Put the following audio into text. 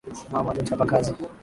Mama ni mchapa kazi